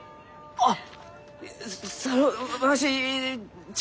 あっ。